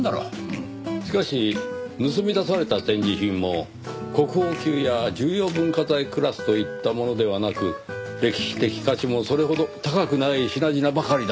しかし盗み出された展示品も国宝級や重要文化財クラスといったものではなく歴史的価値もそれほど高くない品々ばかりだったようですねぇ。